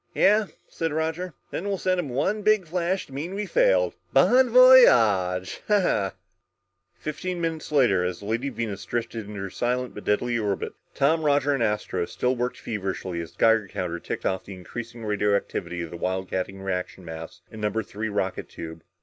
"Yeah," said Roger, "then we'll send him one big flash to mean we failed! Bon voyage!" Fifteen minutes later, as the Lady Venus drifted in her silent but deadly orbit, Tom, Roger and Astro still worked feverishly as the Geiger counter ticked off the increasing radioactivity of the wildcatting reaction mass in number three rocket tube.